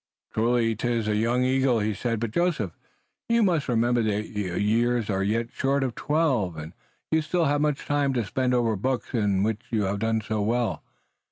"Truly 'tis a young eagle," he said, "but, Joseph, you must remember that your years are yet short of twelve, and you still have much time to spend over the books in which you have done so well.